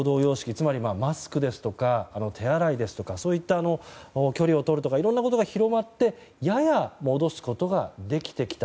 つまり、マスクですとか手洗いとか距離をとるといったことが広まってやや戻すことができてきた。